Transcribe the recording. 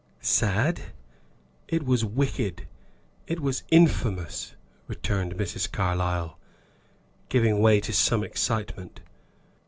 "Sad? It was wicked it was infamous!" returned Mrs. Carlyle, giving way to some excitement.